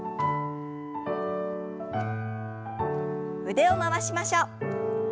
腕を回しましょう。